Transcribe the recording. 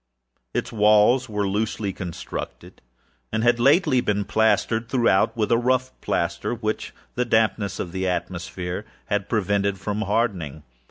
Its walls were loosely constructed, and had lately been plastered throughout with a rough plaster, which the dampness of the atmosphere had prevented from hardening.